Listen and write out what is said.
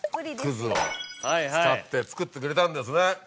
葛を使って作ってくれたんですね。